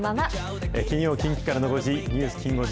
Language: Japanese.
金曜、近畿からの５時、ニュースきん５時。